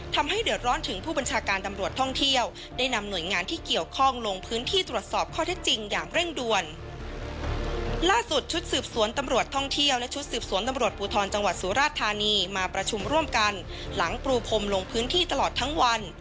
ตำรวจปูทรจังหวัดสุราธารณีมาประชุมร่วมกันหลังปรูพมลงพื้นที่ตลอดทั้งวัน